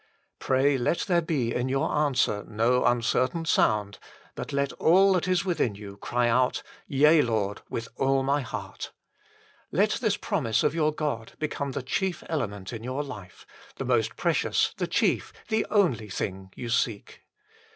Pray let there be in your answer no uncertain sound, but let all that is within you cry out :" Yea, Lord, with all my heart." Let this promise of your God become the chief element in your life, the most precious, the chief, the only thing you seek.